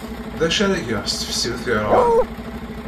D acu ara geɣ s tesfiwt yerɣan?